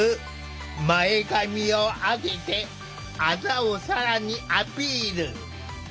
前髪を上げてあざを更にアピール。